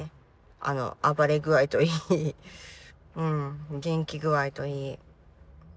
あの暴れ具合といい元気具合といい。